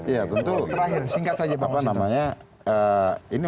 ya tentu terakhir singkat saja bang mas hito